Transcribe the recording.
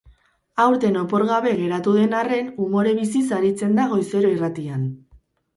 Aurten opor gabe geratu den arren, umore biziz aritzen da goizero irratian.